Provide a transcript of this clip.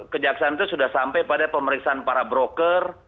kejaksaan itu sudah sampai pada pemeriksaan para broker